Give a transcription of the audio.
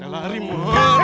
jangan lari mot